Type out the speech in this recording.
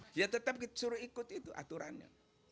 dia tetap disuruh ikut itu aturannya